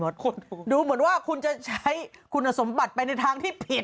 ดูเหมือนว่าคุณจะใช้คุณสมบัติไปในทางที่ผิด